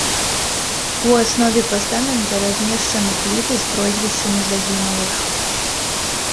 У аснове пастамента размешчаны пліты з прозвішчамі загінулых.